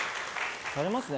されますね。